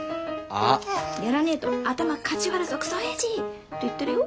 「やらねえと頭かち割るぞくそおやじ」って言ってるよ。